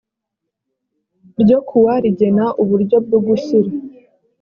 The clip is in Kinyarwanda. ryo ku wa rigena uburyo bwo gushyira